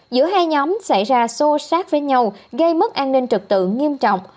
giữa hai nhóm xảy ra xô xát với nhau gây mất an ninh trực tự nghiêm trọng